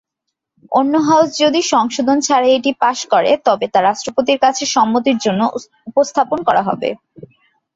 অন্য হাউজ যদি সংশোধন ছাড়াই এটি পাস করে তবে তা রাষ্ট্রপতির কাছে সম্মতির জন্য উপস্থাপন করা হবে।